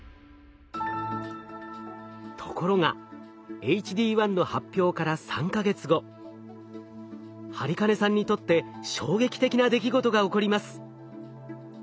ところがＨＤ１の播金さんにとって衝撃的な出来事が起こります。